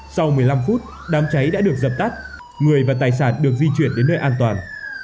sau một mươi năm phút đám cháy đã được dập tắt người và tài sản được di chuyển đến nơi an toàn